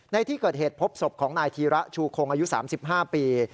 ในที่เกิดเหตุพบศพของนายธีระชูคงอายุ๓๕ปี